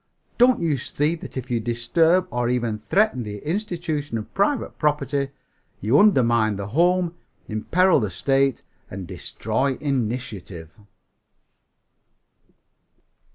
Don't you see that if you disturb or even threaten the institution of private property you undermine the home, imperil the state and destroy initiative?"